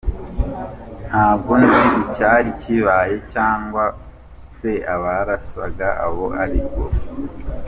Ntabwo nzi icyari kibaye cyangwa se abarasaga abo ari bo.